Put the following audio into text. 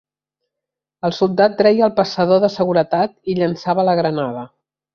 El soldat treia el passador de seguretat i llançava la granada.